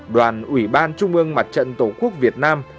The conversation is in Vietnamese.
đoàn ủy ban trung ương mặt trận tổ quốc việt nam